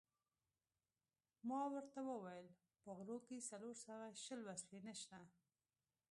ما ورته وویل: په غرو کې څلور سوه شل وسلې نشته.